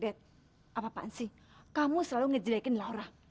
dad apa apaan sih kamu selalu ngejelekin laura